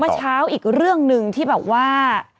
เช้าอีกเรื่องหนึ่งที่แบบว่า